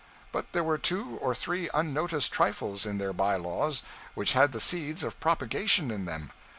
But there were two or three unnoticed trifles in their by laws which had the seeds of propagation in them.